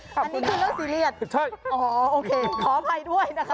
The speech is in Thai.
อันนี้คือเรื่องซีเรียสใช่อ๋อโอเคขออภัยด้วยนะคะ